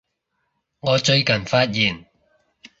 我最近發現